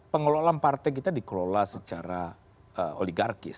pengelolaan partai kita dikelola secara oligarkis